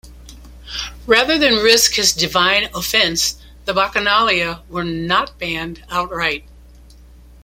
Rather than risk his divine offense, the Bacchanalia were not banned outright.